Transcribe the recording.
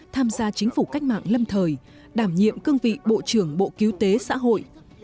tham gia chính phủ cách mạng lâm thời đảm nhiệm cương vị bộ trưởng bộ cứu tế xã hội